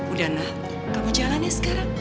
udah nah kamu jalan ya sekarang